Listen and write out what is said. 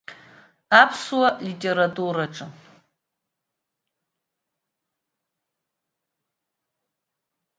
Аԥсуа литератураҽы.